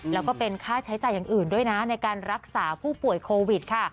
แล้วก็เป็นค่าใช้จ่ายอย่างอื่นด้วยนะในการรักษาผู้ป่วยโควิดค่ะ